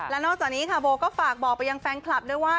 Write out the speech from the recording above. และนอกจากนี้ค่ะโบก็ฝากบอกไปยังแฟนคลับด้วยว่า